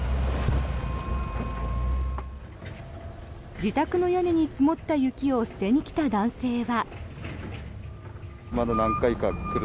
自宅の屋根に積もった雪を捨てに来た男性は。